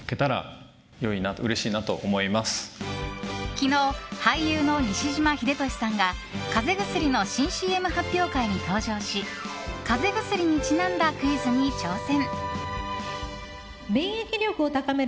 昨日、俳優の西島秀俊さんが風邪薬の新ＣＭ発表会に登場し風邪薬にちなんだクイズに挑戦。